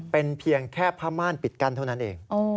เป็นเพียงแค่ผ้าม่านปิดกั้นเท่านั้นเอง